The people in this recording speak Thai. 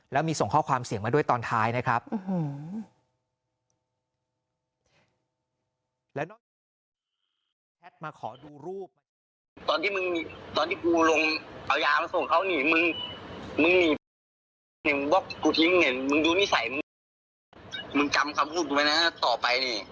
แล้วนี่คือแชทมาขอดูรูป